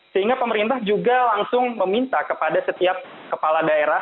sehingga pemerintah juga langsung meminta kepada setiap kepala daerah